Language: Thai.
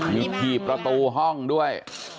มีที่ประตูห้องด้วย